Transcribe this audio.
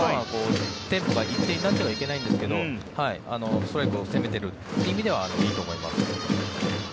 テンポが一定になってはいけないんですがストライクを攻めているという意味ではいいと思います。